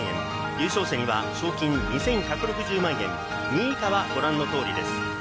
優勝者には賞金２１６０万円、２位以下はご覧の通りです。